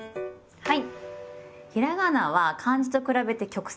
はい。